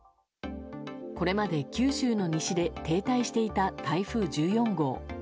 これまで九州の西で停滞していた台風１４号。